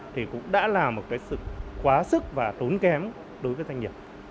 thì cũng đã là một cái sự quá sức và tốn kém đối với doanh nghiệp